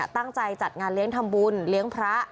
ตั้งใจจัดงานเลี้ยงทำบุญเลี้ยงพระ